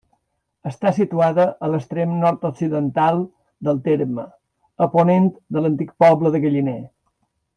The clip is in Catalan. Està situada a l'extrem nord-occidental del terme, a ponent de l'antic poble de Galliner.